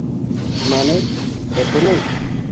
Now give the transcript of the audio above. মানে, এখনই?